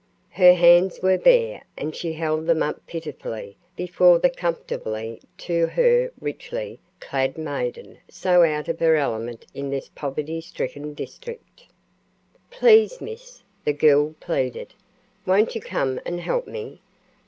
Her hands were bare and she held them up pitifully before the comfortably to her richly clad maiden so out of her element in this poverty stricken district. "Please, Miss," the girl pleaded; "won't you come and help me?